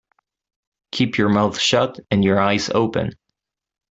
Keep your mouth shut and your eyes open.